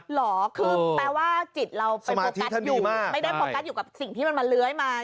เหรอคือแปลว่าจิตเราไปโฟกัสอยู่ไม่ได้โฟกัสอยู่กับสิ่งที่มันมาเลื้อยมา